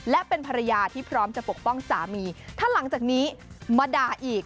และเป็นภรรยาที่พร้อมจะปกป้องสามีถ้าหลังจากนี้มาด่าอีก